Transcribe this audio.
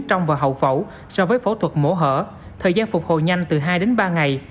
trong và hậu phẫu so với phẫu thuật mổ hỡ hở thời gian phục hồi nhanh từ hai đến ba ngày